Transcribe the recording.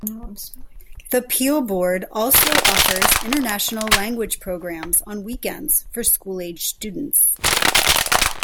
The Peel board also offers International Language Programs on weekends for school-aged students.